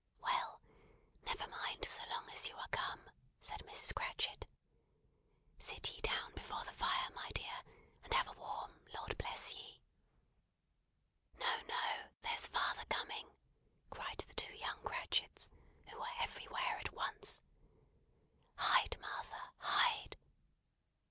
"Well! Never mind so long as you are come," said Mrs. Cratchit. "Sit ye down before the fire, my dear, and have a warm, Lord bless ye!" "No, no! There's father coming," cried the two young Cratchits, who were everywhere at once. "Hide, Martha, hide!"